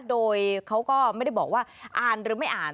โดยเขาก็ไม่ได้บอกว่าอ่านหรือไม่อ่าน